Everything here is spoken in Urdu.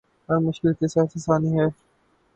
ہر مشکل کے ساتھ آسانی ہے